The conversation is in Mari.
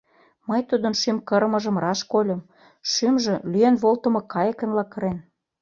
Мый тудын шӱм кырымыжым раш кольым — шӱмжӧ лӱен волтымо кайыкынла кырен.